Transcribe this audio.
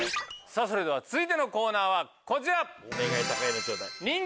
それでは続いてのコーナーはこちら。